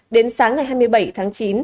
đến sáng ngày hai mươi bảy tháng chín